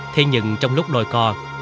thế nhưng trong lúc đôi co